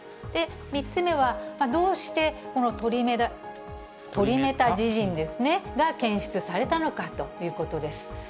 で、３つ目は、どうして、このトリメタジジンが検出されたのかということです。